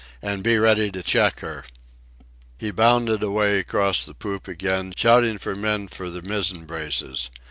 And be ready to check her!" He bounded away along the poop again, shouting for men for the mizzen braces.